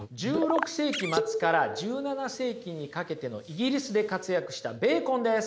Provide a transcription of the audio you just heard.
１６世紀末から１７世紀にかけてのイギリスで活躍したベーコンです。